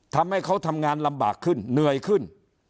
ทำให้เขาทำงานลำบากขึ้นเหนื่อยขึ้น